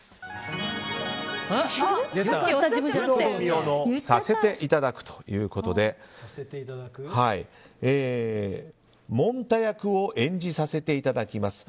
工藤美桜の「させていただく」ということでモン太役を演じさせていただきます！